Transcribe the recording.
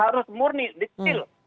harus murni dikil